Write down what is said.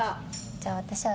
じゃあ私は。